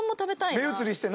目移りしてな。